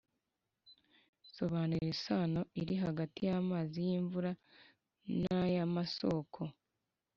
Sobanura isano iri hagati y’amazi y’imvura n’ay’amasoko.